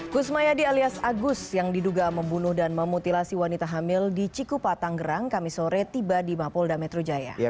kusmayadi alias agus yang diduga membunuh dan memutilasi wanita hamil di cikupatanggerang kamisore tiba di mampolda metrojaya